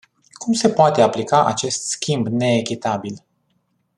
Cum se poate aplica acest schimb neechitabil?